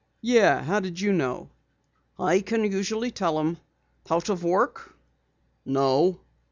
"Yeah. How did you know?" "I can usually tell 'em. Out of work?" "No."